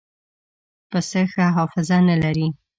پسه ښه حافظه نه لري.